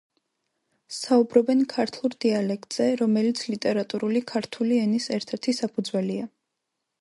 საუბრობენ ქართლურ დიალექტზე, რომელიც ლიტერატურული ქართული ენის ერთ-ერთი საფუძველია.